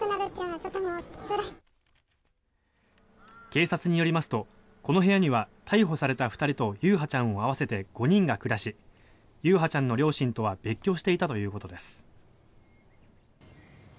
警察によりますとこの部屋には逮捕された２人と優陽ちゃんを合わせて５人が暮らし優陽ちゃんの両親とは別居していたということです。